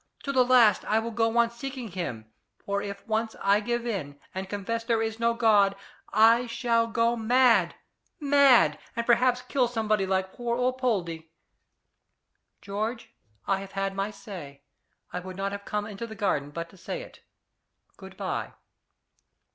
To the last I will go on seeking him, for if once I give in, and confess there is no God, I shall go mad mad, and perhaps kill somebody like poor Poldie. George, I have said my say. I would not have come into the garden but to say it. Good bye."